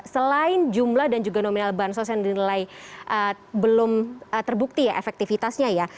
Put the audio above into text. selain jumlah dan juga nominal bansos yang dinilai belum terbukti ya efektivitasnya ya